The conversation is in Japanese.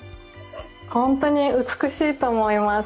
本当に美しいと思います。